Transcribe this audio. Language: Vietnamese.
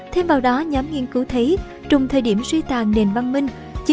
thêm vào đó nhóm nghiên cứu thấy trùng thời điểm suy tàn nền văn minh